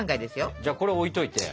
じゃあこれ置いといて。